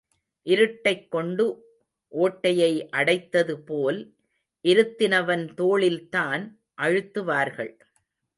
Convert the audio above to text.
இருட்டைக் கொண்டு ஓட்டையை அடைத்தது போல், இருத்தினவன் தோளில்தான் அழுத்துவார்கள்.